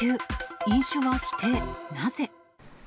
飲酒は否定、なぜ？